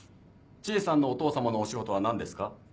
知恵さんのお父様のお仕事は何ですか？